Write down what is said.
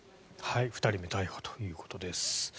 ２人目逮捕ということです。